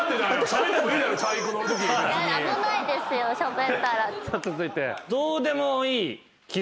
さあ続いて。